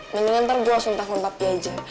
mendingan ntar gue langsung telepon papi aja